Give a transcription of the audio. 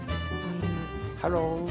ハロー。